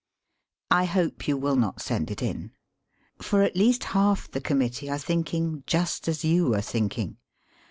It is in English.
I hope you will not send it in. For at least half the Committee are thinking just as you are thinking.